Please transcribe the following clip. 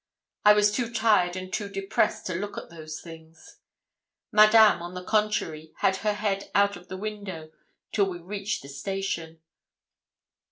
I was too tired and too depressed to look at those things. Madame, on the contrary, had her head out of the window till we reached the station.